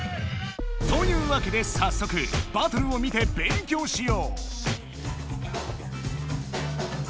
というわけでさっそくバトルを見てべんきょうしよう！